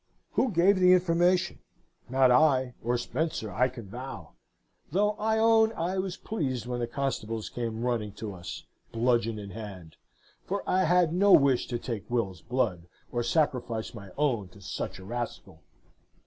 "Who gave the information? Not I, or Spencer, I can vow. Though I own I was pleased when the constables came running to us; bludgeon in hand: for I had no wish to take Will's blood, or sacrifice my own to such a rascal.